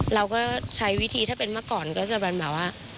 เราก็ใช้วิธีถ้าเป็นเมื่อก่อนก็จะเป็นแบบว่า